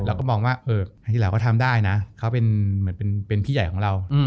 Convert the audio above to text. เราก็บอกว่าไฮที่เราก็ทำได้นะเขาเป็นพี่ใหญ่ของเรา